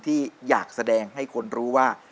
ที่อยากแสดงให้คนรู้ว่า